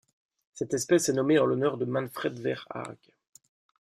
Cette espèce est nommée en l'honneur de Manfred Verhaagh.